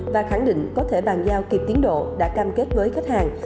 và khẳng định có thể bàn giao kịp tiến độ đã cam kết với khách hàng